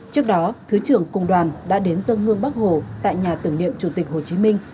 trước đó thứ trưởng cùng đoàn đã đến dân hương bắc hồ tại nhà tưởng niệm chủ tịch hồ chí minh